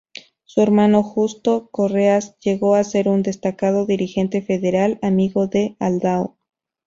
Su hermano Justo Correas llegó a ser un destacado dirigente federal, amigo de Aldao.